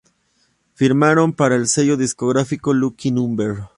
Firmaron para el sello discográfico Lucky Number.